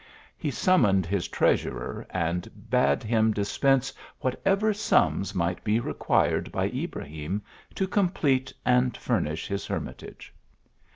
He summoned his treasurer, and bade him dispense whatever sums might be required by Ibrahim to complete and furnish his hermitage.